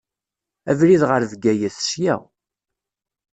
Abrid ɣer Bgayet, sya.